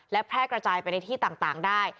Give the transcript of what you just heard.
และแพร่กระจายไปในที่ต่างได้